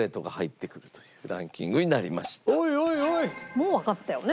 もうわかったよね